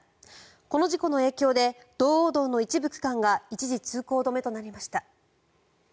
この事故の影響で道央道の一部区間が一時、通行止めとなりました。